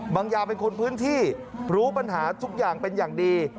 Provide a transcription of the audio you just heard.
บางอย่างเป็นคนพื้นที่รู้ปัญหาทุกอย่างเป็นอย่างดี